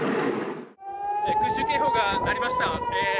空襲警報が鳴りました。